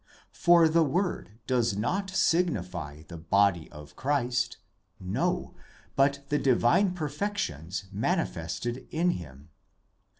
For the Word does not signify the body of Christ; no, but the divine perfections manifested in him.